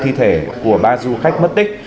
thi thể của ba du khách mất tích